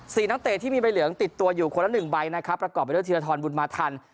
นักเตะที่มีใบเหลืองติดตัวอยู่คนละหนึ่งใบนะครับประกอบไปด้วยธีรทรบุญมาทัน